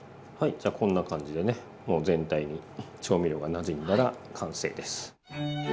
じゃあこんな感じでねもう全体に調味料がなじんだら完成です。